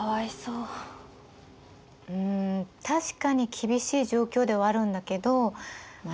うん確かに厳しい状況ではあるんだけどま